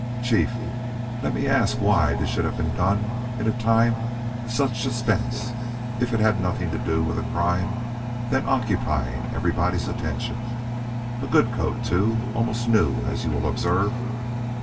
Chief, let me ask why this should have been done in a time of such suspense if it had had nothing to do with the crime then occupying everybody's attention a good coat too, almost new, as you will observe?"